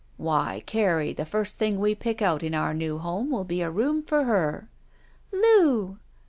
"Why, Carrie, the first thing we pick out in our new home will be a room for her." "Loo!"